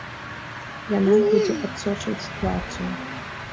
Яна будзе адсочваць сітуацыю.